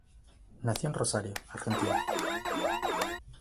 Nació en Rosario, Argentina.